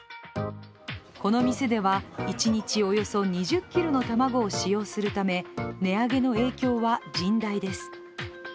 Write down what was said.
この店では一日およそ２０ｋｇの卵を使用するため値上げの影響は甚大です。